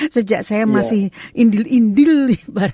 sejak saya masih indil indil